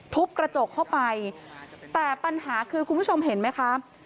ทุบกระจกเข้าไปแต่ปัญหาคือคุณผู้ชมเห็นไหมคะ